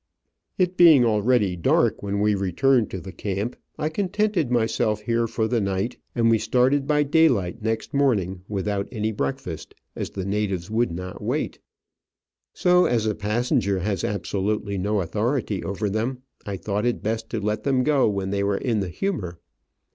It being already dark when w^e returned to the camp, I contented myself here for the night, and we started by daylight next morning, without any break fast, as the natives would not wait ; so, as a passenger has absolutely no authority over them, I thought it best to let them go when they were in the humour.